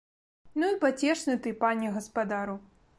Ну і пацешны ты, пане гаспадару!